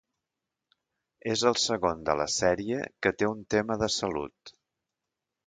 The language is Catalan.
És el segon de la sèrie que té un tema de salut